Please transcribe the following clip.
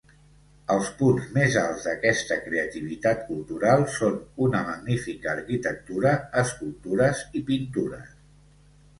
Els punts més alts d'aquesta creativitat cultural són una magnífica arquitectura, escultures i pintures.